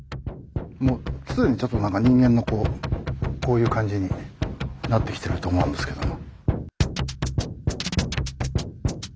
もう既にちょっと何か人間のこうこういう感じになってきてると思うんですけども。